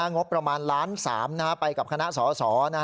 งบประมาณล้าน๓ไปกับคณะสส